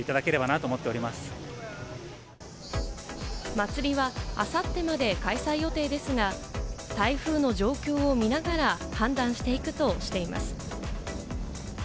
祭りはあさってまで開催予定ですが、台風の状況を見ながら判断していくとしています。